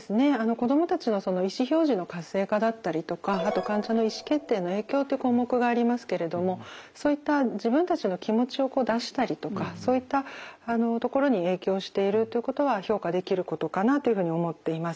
子供たちの意思表示の活性化だったりとかあと患者の意思決定への影響っていう項目がありますけれどもそういった自分たちの気持ちを出したりとかそういったところに影響しているということは評価できることかなというふうに思っています。